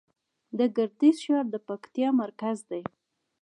د ګردیز ښار د پکتیا مرکز دی